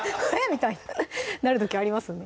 みたいななる時ありますね